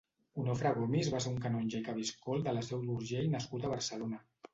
Onofre Gomis va ser un canonge i cabiscol de la Seu d'Urgell nascut a Barcelona.